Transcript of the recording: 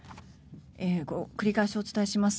繰り返しお伝えします。